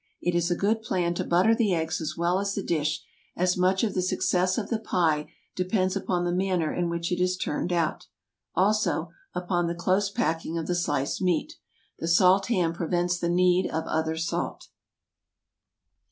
It is a good plan to butter the eggs as well as the dish, as much of the success of the pie depends upon the manner in which it is turned out. Also, upon the close packing of the sliced meat. The salt ham prevents the need of other salt.